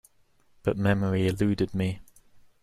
But memory eluded me.